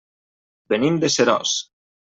Venim de Seròs.